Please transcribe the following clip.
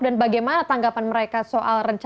dan bagaimana tanggapan mereka soal rencana